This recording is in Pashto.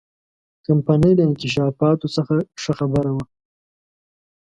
کمپنۍ له انکشافاتو څخه ښه خبره وه.